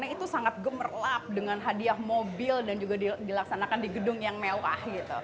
karena itu sangat gemerlap dengan hadiah mobil dan juga dilaksanakan di gedung yang mewah